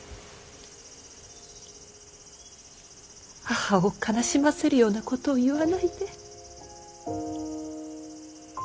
母を悲しませるようなことを言わないで。